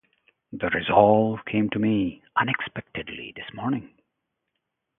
The resolve came to me unexpectedly this morning.